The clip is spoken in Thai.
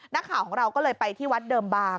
นักข่าวของเราก็เลยไปที่วัดเดิมบาง